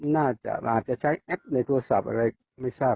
น่าจะวาดอัจจะใช้ในโทรศัพท์อะไรไม่ทราบ